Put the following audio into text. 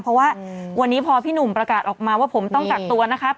เพราะว่าวันนี้พอพี่หนุ่มประกาศออกมาว่าผมต้องกักตัวนะครับ